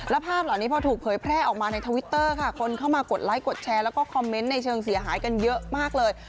แล้วภาพเหล่านี้พอถูกเผยแพร่ออกมาในทวิตเตอร์ค่ะคนเข้ามากดไลค์กดแชร์แล้วก็คอมเมนต์ในเชิงเสียหายกันเยอะมากเลย